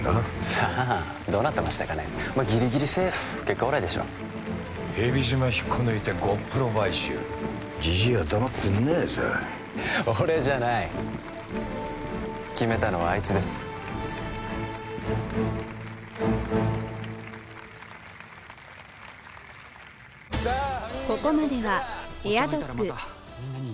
さあどうなってましたかねまギリギリセーフ結果オーライでしょ蛇島引っこ抜いてゴップロ買収ジジイは黙ってねえぜ俺じゃない決めたのはあいつですえっ！！